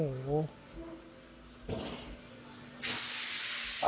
โอ้โห